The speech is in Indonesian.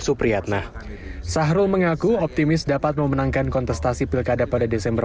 supriyatna sahrul mengaku optimis dapat memenangkan kontestasi pilkada pada desember